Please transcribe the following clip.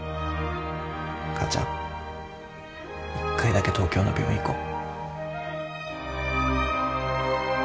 母ちゃん一回だけ東京の病院行こう。